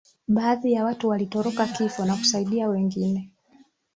baadhi ya watu walitoroka kifo na kusaidia watu wengine